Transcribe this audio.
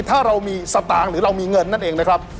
ถ้าเรามีสตางค์หรือเรามีเงินนั่นเองนะครับ